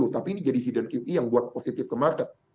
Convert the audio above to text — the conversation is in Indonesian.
tapi ini jadi hidden kita yang buat positif ke market